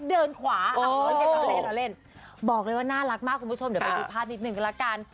เดี๋ยวไปคำพันธ์หนึ่งกันแล้วกัน